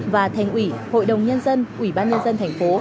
và thành ủy hội đồng nhân dân ủy ban nhân dân tp